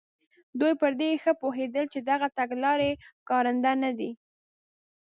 دوی پر دې ښه پوهېدل چې دغه تګلارې کارنده نه دي.